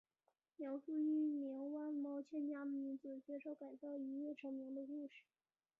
描述一名外貌欠佳的女子接受改造一跃成名的故事。